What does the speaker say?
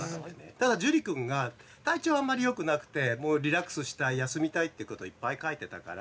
ただ樹くんが体調あんまりよくなくてもうリラックスしたい休みたいってこといっぱい書いてたから。